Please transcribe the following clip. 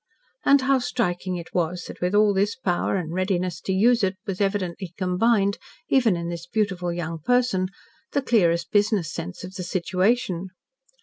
And how striking it was that with all this power and readiness to use it, was evidently combined, even in this beautiful young person, the clearest business sense of the situation.